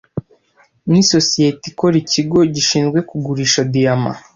Nisosiyete ikora ikigo gishinzwe kugurisha diyama